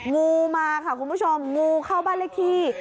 งูมาค่ะคุณผู้ชมงูเข้าบ้านเลขที่